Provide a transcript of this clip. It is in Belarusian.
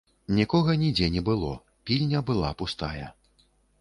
Нікога нідзе не было, пільня была пустая.